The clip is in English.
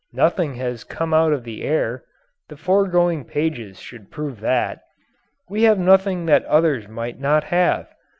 Nothing has come out of the air. The foregoing pages should prove that. We have nothing that others might not have.